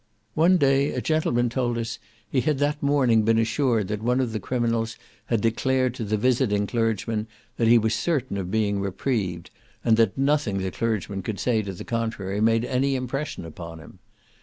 One day a gentleman told us he had that morning been assured that one of the criminals had declared to the visiting clergyman that he was certain of being reprieved, and that nothing the clergyman could say to the contrary made any impression upon him.